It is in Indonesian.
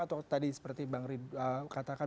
atau tadi seperti bang ridwan katakan